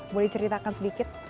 boleh ceritakan sedikit